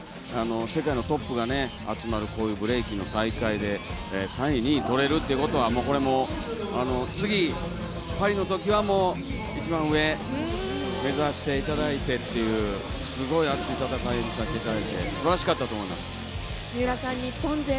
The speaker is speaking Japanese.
世界のトップが集まるこういうブレイキンの大会で３位、２位とれるっていうことは次、パリのときは一番上、目指していただいてというすごい熱い戦いを見させていただいて、すばらしかったと思います。